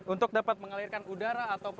untuk dapat mengalirkan udara ataupun oksigen